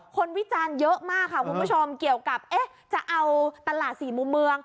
วิจารณ์เยอะมากค่ะคุณผู้ชมเกี่ยวกับเอ๊ะจะเอาตลาดสี่มุมเมือง